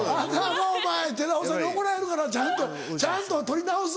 寺尾さんに怒られるからちゃんとちゃんと撮り直す。